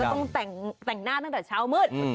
ต้องแต่งหน้าตั้งแต่เช้ามืด